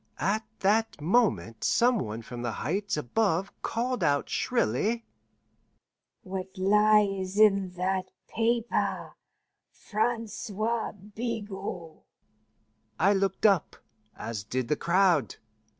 At that moment some one from the Heights above called out shrilly, "What lie is in that paper, Francois Bigot?" I looked up, as did the crowd.